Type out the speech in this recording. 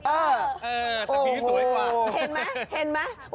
เออเออแต่ผีสวยกว่าโอ้โฮ